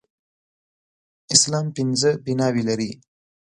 اسلام پنځه بناوې لري